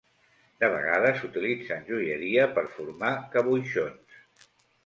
De vegades s'utilitza en joieria per formar caboixons.